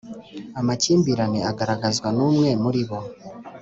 Amakimbirane agaragazwa numwe muri bo